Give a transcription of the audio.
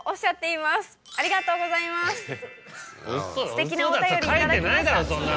すてきなお便り頂きました。